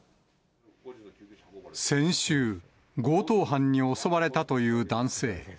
先週、強盗犯に襲われたという男性。